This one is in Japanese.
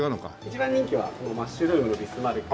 一番人気はこのマッシュルームのビスマルク。